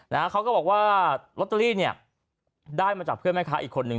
นะฮะเขาก็บอกว่าลอตเตอรี่เนี่ยได้มาจากเพื่อนแม่ค้าอีกคนนึง